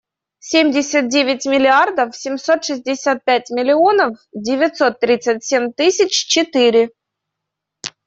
Семьдесят девять миллиардов семьсот шестьдесят пять миллионов девятьсот тридцать семь тысяч четыре.